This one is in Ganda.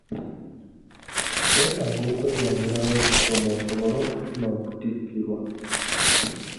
Weetaaga okweyongerayo okusoma osobole okufuna okutikkirwa.